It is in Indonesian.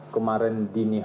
terima kasih